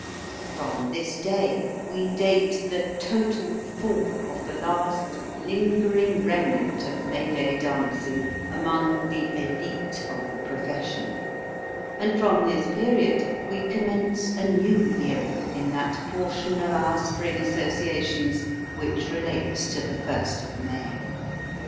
From this day, we date the total fall of the last lingering remnant of May Day dancing, among the elite of the profession: and from this period we commence a new era in that portion of our spring associations which relates to the 1st of May.